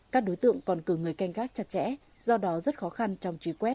các đối tượng còn cử người canh gác chặt chẽ do đó rất khó khăn trong truy quét